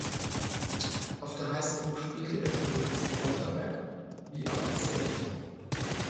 Auf der High School spielte er sowohl als Quarterback, wie auch als Safety.